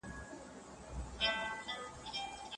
ستا قدم ته مي سلام دی د شهید ګیله من موري